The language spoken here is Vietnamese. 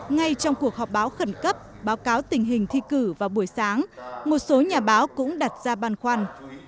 ngay trong cuộc họp báo khẩn cấp báo cáo tình hình thi cử vào buổi sáng một số nhà báo cũng đặt ra băn khoăn